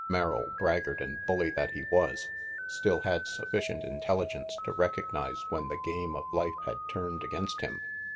Merrill, braggart and bully that he was, still had sufficient intelligence to recognize when the game of life had turned against him.